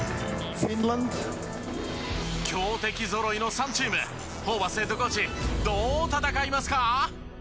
強敵ぞろいの３チームホーバスヘッドコーチどう戦いますか？